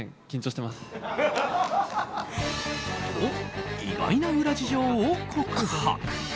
と、意外な裏事情を告白。